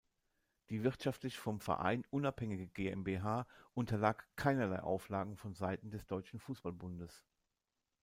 Die wirtschaftlich vom Verein unabhängige GmbH unterlag keinerlei Auflagen von Seiten des Deutschen Fußballbundes.